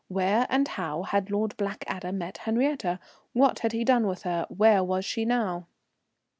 Where and how had Lord Blackadder met Henriette? What had he done with her? Where was she now?